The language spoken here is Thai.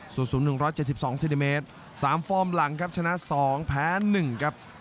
ส่วนสูง๑๗๒เซนติเมตร๓ฟอร์มหลังครับชนะ๒แพ้๑ครับ